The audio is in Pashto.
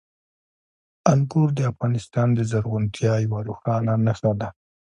انګور د افغانستان د زرغونتیا یوه روښانه نښه ده.